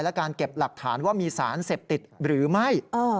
และการเก็บหลักฐานว่ามีสารเสพติดหรือไม่